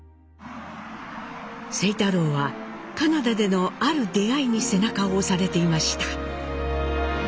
清太郎はカナダでのある出会いに背中を押されていました。